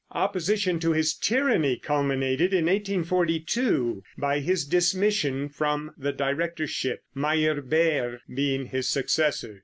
Opposition to his tyranny culminated in 1842 by his dismission from the directorship, Meyerbeer being his successor.